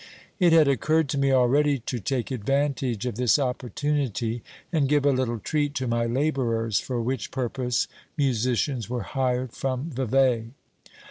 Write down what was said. It had occurred to me already to take advantage of this opportunity and give a little treat to my labourers, for which purpose musicians were hired from Vevey.